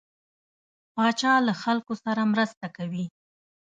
پاچا له خلکو سره مرسته کوي.